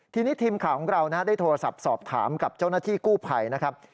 ทีนี้ทีมข่าวของเราได้โทรศัพท์สอบถามกับเจ้าหน้าที่กู้ภัยนะครับ